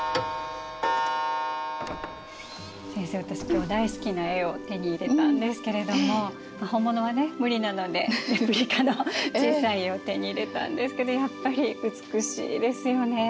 今日大好きな絵を手に入れたんですけれども本物はね無理なのでレプリカの小さい絵を手に入れたんですけどやっぱり美しいですよね。